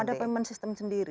ada payment system sendiri